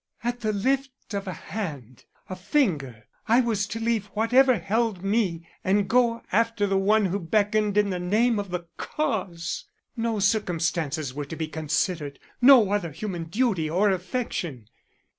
At the lift of a hand a finger I was to leave whatever held me and go after the one who beckoned in the name of the Cause. No circumstances were to be considered; no other human duty or affection.